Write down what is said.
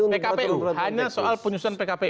pkpu hanya soal penyusunan pkpu